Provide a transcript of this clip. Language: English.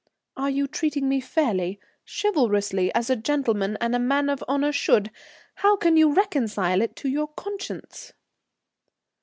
"Are you treating me fairly, chivalrously, as a gentleman and a man of honour should? How can you reconcile it to your conscience?"